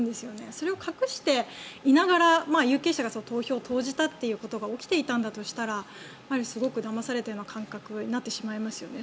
それを隠していながら有権者が投票を投じたということが起きていたんだとしたらやはりすごくだまされたような感覚になってしまいますよね。